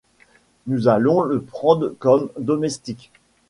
Nous allons le prendre comme domestique